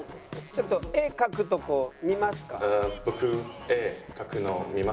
「ちょっと画描くとこ見ますか？」。